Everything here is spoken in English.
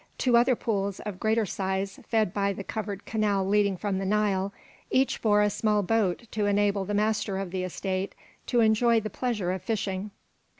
Two other pools of greater size, fed by the covered canal leading from the Nile, each bore a small boat to enable the master of the estate to enjoy the pleasure of fishing.